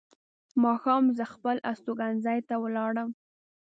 ماښام زه خپل استوګنځي ته ولاړم.